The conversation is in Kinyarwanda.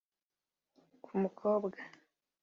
Ku mukobwa